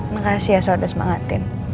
makasih ya saya udah semangatin